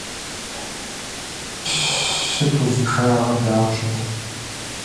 Мы также выступаем в поддержку заключения глобального договора о неприменении первыми ядерного оружия.